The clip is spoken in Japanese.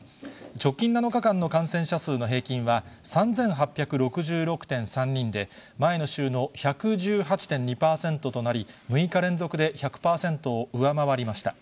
直近７日間の感染者数の平均は３８６６．３人で、前の週の１１８．２％となり、６日連続で１００％を上回りました。